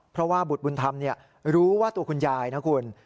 เพราะว่าบุตรบุญธรรมรู้ว่าตัวคุณยายนะคุณ